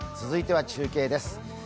続いては中継です。